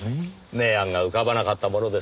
名案が浮かばなかったものですから。